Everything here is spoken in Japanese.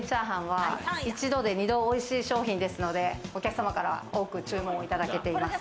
一度で二度おいしい商品ですので、お客様から多く注文をいただけてます。